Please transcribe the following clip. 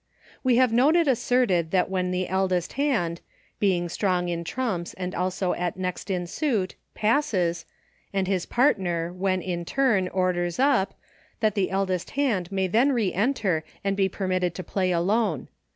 We have known it asserted that when the eldest hand — being strong in trumps and also at next in suit — passes, and his partner, when in turn, orders up, that the eldest hand may then re enter and be permitted to Play Alone.